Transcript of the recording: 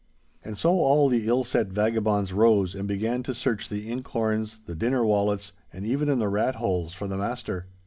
And so all the ill set vagabonds rose and began to search the ink horns, the dinner wallets, and even in the rat holes for the master.